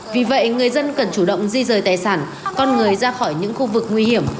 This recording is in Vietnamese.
vì vậy người dân cần chủ động di rời tài sản con người ra khỏi những khu vực nguy hiểm